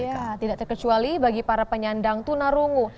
ya tidak terkecuali bagi para penyandang tunarungu